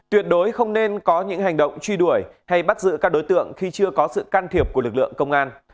tuyệt đối không nên có những hành động truy đuổi hay bắt giữ các đối tượng khi chưa có sự can thiệp của lực lượng công an